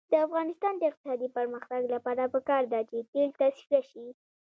د افغانستان د اقتصادي پرمختګ لپاره پکار ده چې تیل تصفیه شي.